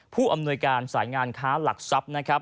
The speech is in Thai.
ผู้อำนวยการสายงานค้าหลักทรัพย์นะครับ